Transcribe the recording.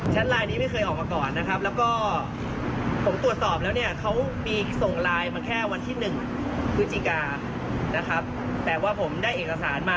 รายละเอียดผมจะเปิดเผยไม่ได้มาก